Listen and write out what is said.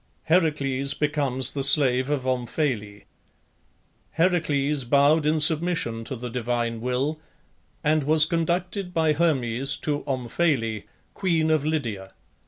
HERACLES BECOMES THE SLAVE OF OMPHALE. Heracles bowed in submission to the divine will, and was conducted by Hermes to Omphale, queen of Lydia.